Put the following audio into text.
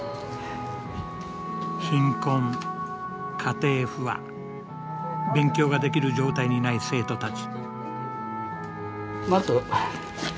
貧困家庭不和勉強ができる状態にない生徒たち。